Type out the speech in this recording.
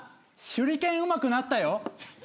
手裏剣うまくなったよ。